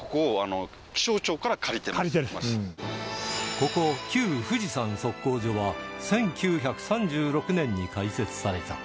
ここ旧富士山測候所は１９３６年に開設された